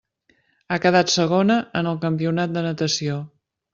Ha quedat segona en el campionat de natació.